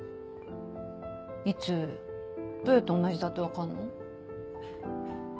いつどうやって同じだって分かるの？